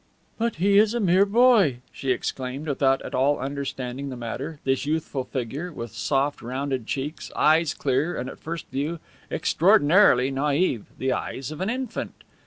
"But he is a mere boy!" she exclaimed, without at all understanding the matter, this youthful figure, with soft, rounded cheeks, eyes clear and, at first view, extraordinarily naive, the eyes of an infant.